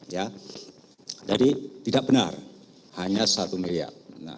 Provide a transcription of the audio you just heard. jadi tidak benar hanya rp satu miliar